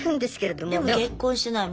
でも結婚してないもんね。